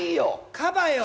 カバよ！